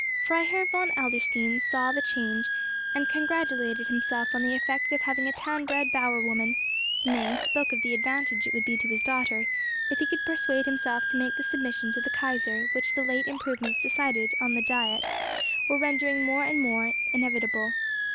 Freiherr von Adlerstein saw the change, and congratulated himself on the effect of having a town bred bower woman; nay, spoke of the advantage it would be to his daughter, if he could persuade himself to make the submission to the Kaiser which the late improvements decided on at the Diet were rendering more and more inevitable.